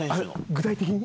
具体的に？